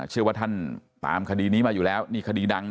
เชื่อว่าท่านตามคดีนี้มาอยู่แล้วนี่คดีดังนะ